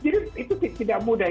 jadi itu tidak mudah